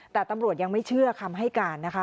แต่ตำรวจยังไม่เชื่อคำให้การนะคะ